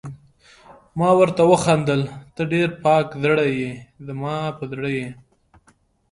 ما ورته وخندل: ته ډېره پاک زړه يې، زما په زړه یې.